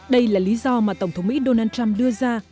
đây là lý do mà tổng thống mỹ donald trump đưa ra